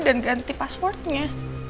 dan ganti passwordnya